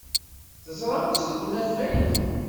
Teẓram-tt deg unafag.